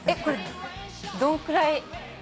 これどんくらい。